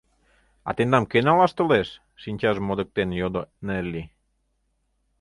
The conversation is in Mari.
— А тендам кӧ налаш толеш? — шинчажым модыктен, йодо Нелли.